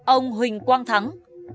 ông huỳnh quang thắng